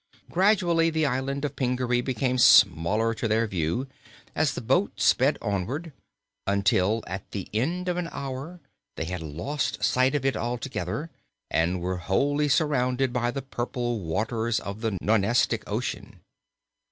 Gradually the Island of Pingaree became smaller to their view as the boat sped onward, until at the end of an hour they had lost sight of it altogether and were wholly surrounded by the purple waters of the Nonestic Ocean.